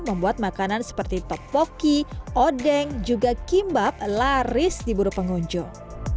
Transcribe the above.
membuat makanan seperti topoki odeng juga kimbab laris di buru pengunjung